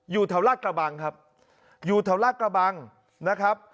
แถวลาดกระบังครับอยู่แถวลาดกระบังนะครับ